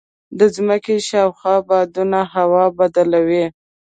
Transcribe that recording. د ځمکې شاوخوا بادونه هوا بدله وي.